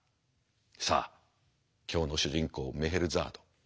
さあ今日の主人公メヘルザード。